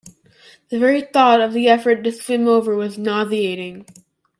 The very thought of the effort to swim over was nauseating.